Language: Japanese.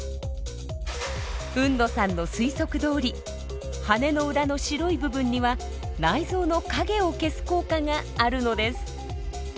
海野さんの推測どおり羽の裏の白い部分には内臓の影を消す効果があるのです。